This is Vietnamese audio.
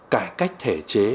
cải cách thể chế